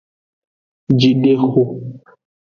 Jidexo.